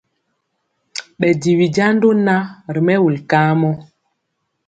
Ɓɛ jiwi jando na ri mɛwul kamɔ.